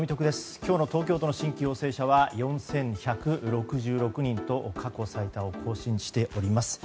今日の東京都の新規陽性者は４１６６人と過去最多を更新しております。